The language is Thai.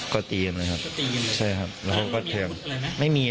ก็ตีกันเลยครับใช่ครับแล้วเขาก็แทบอะไรนะไม่มี